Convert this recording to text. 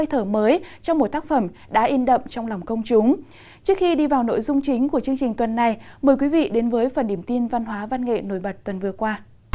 trước khi đi vào nội dung chính của chương trình tuần này mời quý vị đến với phần điểm tin văn hóa văn nghệ nổi bật tuần vừa qua